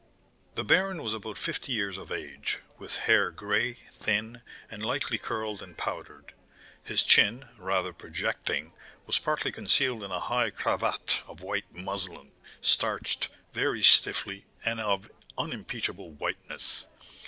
The baron was about fifty years of age, with hair gray, thin, and lightly curled and powdered. His chin, rather projecting, was partly concealed in a high cravat of white muslin, starched very stiffly, and of unimpeachable whiteness.